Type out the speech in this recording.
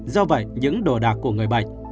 do vậy những đồ đạc của người bệnh